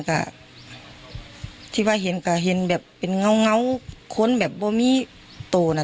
ก็ที่ว่าเห็นก็เห็นแบบเป็นเงาคนแบบบ่มีโตนะ